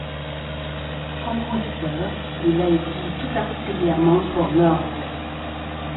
Compositeur, il a écrit tout particulièrement pour l’orgue.